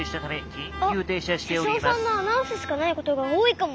あっしゃしょうさんのアナウンスしかないことがおおいかも。